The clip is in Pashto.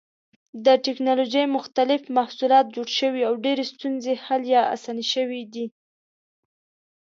د ټېکنالوجۍ مختلف محصولات جوړ شوي او ډېرې ستونزې حل یا اسانې شوې دي.